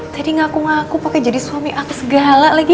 tadi ngaku ngaku pakai jadi suami aku segala lagi